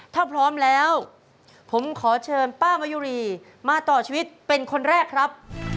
ถ้าพร้อมแล้วผมขอเชิญป้ามะยุรีมาต่อชีวิตเป็นคนแรกครับ